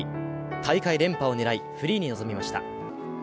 大会連覇を狙いフリーに臨みました。